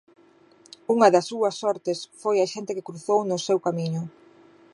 Unha das súas sortes foi a xente que cruzou nos seu camiño.